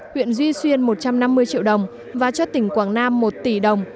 huyện duy xuyên một trăm năm mươi triệu đồng và cho tỉnh quảng nam một tỷ đồng